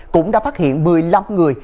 cũng đã phát hiện một mươi năm người